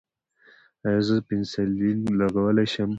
ایا زه پنسلین لګولی شم؟